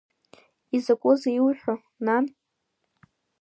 Изакәызеи иуҳәо, нан?